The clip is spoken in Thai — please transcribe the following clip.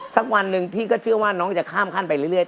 สักวันหนึ่งพี่ก็เชื่อว่าน้องจะข้ามขั้นไปเรื่อย